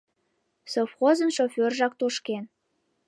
Совхозын шофержак тошкен.